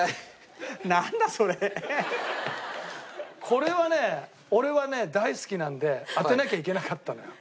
これはね俺はね大好きなんで当てなきゃいけなかったのよ。